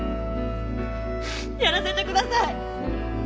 やらせてください。